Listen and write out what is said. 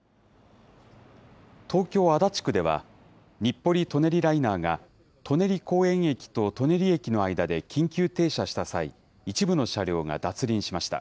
東京・足立区では、日暮里・舎人ライナーが、舎人公園駅と舎人駅の間で緊急停車した際、一部の車両が脱輪しました。